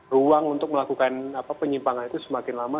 ruang untuk melakukan penyimpangan itu semakin lama